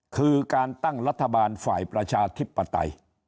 คือการตั้งรัฐบาลฝ่ายประชาธิปไตย